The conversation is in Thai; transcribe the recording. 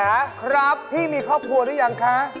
ครับพี่มีครอบครัวหรือยังคะ